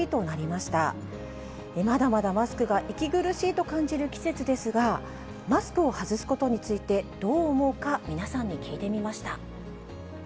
まだまだマスクが息苦しいと感じる季節ですが、マスクを外すことについて、どう思うか、皆さんに聞いてみました。